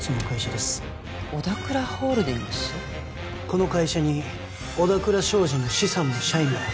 この会社に小田倉商事の資産も社員も